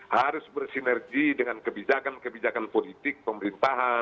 harus bersinergi dengan kebijakan kebijakan politik pemerintahan